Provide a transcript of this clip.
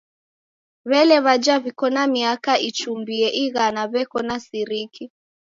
W'elee, w'aja w'iko na miaka ichumbie ighana w'eko na siriki?